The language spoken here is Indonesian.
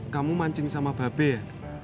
kamu mancing sama babe ya